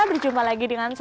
selamat siang pemirsa